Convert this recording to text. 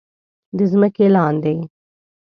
د ځمکې لاندې